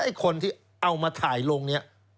ไอ้คนที่เอามาถ่ายลงนี้